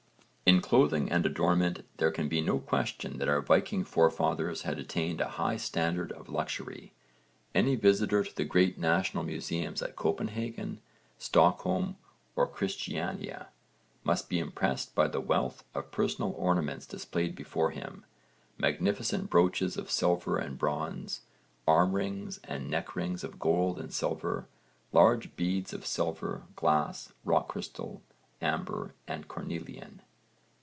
In clothing and adornment there can be no question that our Viking forefathers had attained a high standard of luxury. Any visitor to the great national museums at Copenhagen, Stockholm or Christiania must be impressed by the wealth of personal ornaments displayed before him: magnificent brooches of silver and bronze, arm rings and neck rings of gold and silver, large beads of silver, glass, rock crystal, amber and cornelian.